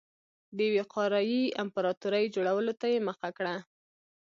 د یوې قاره يي امپراتورۍ جوړولو ته یې مخه کړه.